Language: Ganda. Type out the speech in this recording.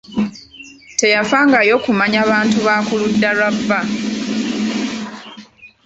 Teyafangayo kumanya bantu ba ku ludda lwa bba.